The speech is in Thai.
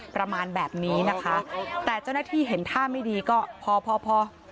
ประมาณแบบนี้นะคะแต่เจ้าหน้าที่เห็นท่าไม่ดีก็พอพอพอ